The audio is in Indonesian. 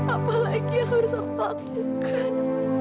apalagi yang harus aku lakukan